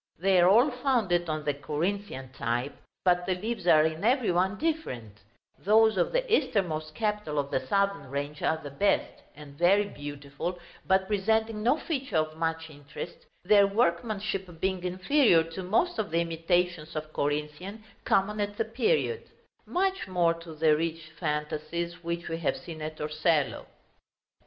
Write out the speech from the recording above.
They are all founded on the Corinthian type, but the leaves are in every one different: those of the easternmost capital of the southern range are the best, and very beautiful, but presenting no feature of much interest, their workmanship being inferior to most of the imitations of Corinthian common at the period; much more to the rich fantasies which we have seen at Torcello.